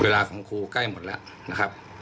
เวลาของครูใกล้หมดแล้วนะครับ